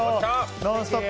「ノンストップ！」